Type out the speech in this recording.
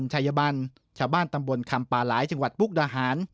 ชาวบ้านตัมปล์คัมป่าลายจังหวัดพกดาหาร